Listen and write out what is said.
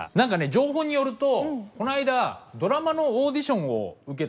情報によるとこの間ドラマのオーディションを受けたって。